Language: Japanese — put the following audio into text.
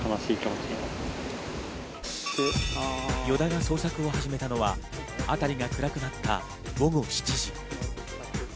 依田が捜索を始めたのは辺りが暗くなった午後７時。